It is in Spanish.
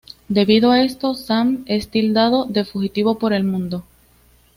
Debido a esto, Sam es tildado de fugitivo por el mundo.